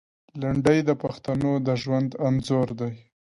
لنډۍ د پښتنو د ژوند انځور دی.